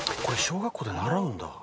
これ小学校で習うんだ。